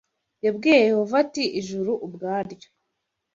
Yabwiye Yehova ati ijuru ubwaryo